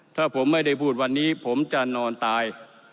ถ้าผมไม่ได้พูดวันนี้ผมจะนอนตาย